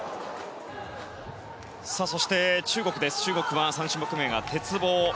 そして、中国は３種目めが鉄棒。